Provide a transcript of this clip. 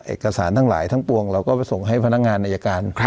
เอกสารทั้งหลายทั้งปวงเราก็ไปส่งให้พนักงานอายการ